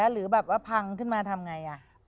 หรือแบบว่าพังขึ้นมาทำไง